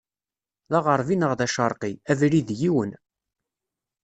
D aɣeṛbi neɣ d aceṛqi, abrid yiwen.